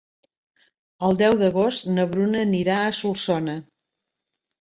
El deu d'agost na Bruna anirà a Solsona.